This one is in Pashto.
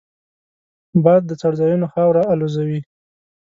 باد د څړځایونو خاوره الوزوي